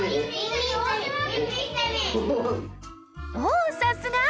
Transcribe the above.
おさすが！